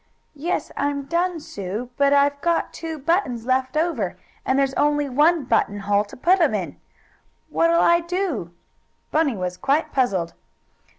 "Yes, I'm done, Sue, but I've got two buttons left over, and there's only one buttonhole to put 'em in! What'll I do?" Bunny was quite puzzled.